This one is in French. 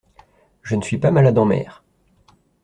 Je ne suis pas malade en mer.